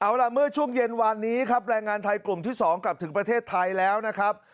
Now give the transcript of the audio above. เอาล่ะเมื่อช่วงเย็นวานนี้ครับแรงงานไทยกลุ่มที่๒กลับถึงประเทศไทยแล้วนะครับ